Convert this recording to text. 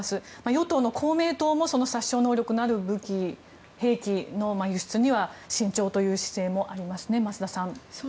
与党の公明党も、殺傷能力のある武器、兵器の輸出には慎重という姿勢もありますね増田さん。